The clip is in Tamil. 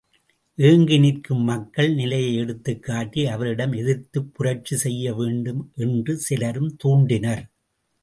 ஏங்கி நிற்கும் மக்கள் நிலையை எடுத்துக் காட்டி அவரிடம் எதிர்த்துப் புரட்சி செய்ய வேண்டும் என்று சிலரும் தூண்டினர்.